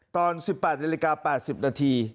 ตอน๑๘นาฬิกา๘๐นาที